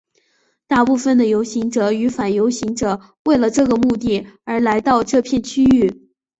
大部分的游行者与反游行者为了这个目的而来到这片区域。